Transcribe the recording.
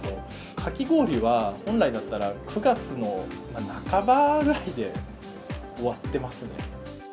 かき氷は本来だったら、９月の半ばぐらいで終わってますね。